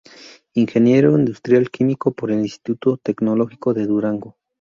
Ingeniero Industrial Químico por el Instituto Tecnológico de Durango.